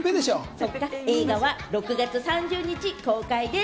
映画は６月３０日公開です。